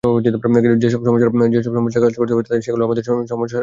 সেসব সমস্যার ওপর কাজ করতে হবে যেগুলোর সমাধান আমাদের সন্তানেরা করবে।